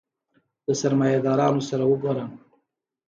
د سرمایه دارانو سره وګورم.